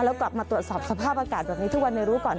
แล้วกลับมาตรวจสอบสภาพอากาศแบบนี้ทุกวันในรู้ก่อน